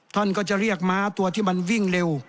ท่านก็จะเรียกม้าตัวที่มันวิ่งเร็ว